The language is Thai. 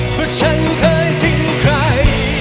เพราะฉันเคยทิ้งใคร